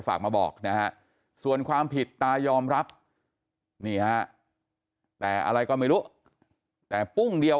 ฝากมาบอกนะฮะส่วนความผิดตายอมรับนี่ฮะแต่อะไรก็ไม่รู้แต่ปุ้งเดียว